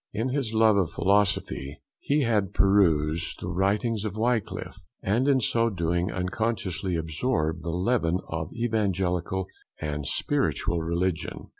In his love for philosophy, he had perused the writings of Wickliffe, and in so doing unconsciously absorbed the leaven of evangelical and spiritual religion.